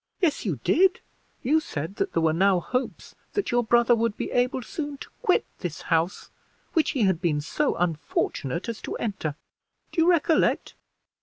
"Yes, you did; you said that there were now hopes that your brother would be able soon to quit this house which he had been so unfortunate as to enter. Do you recollect?"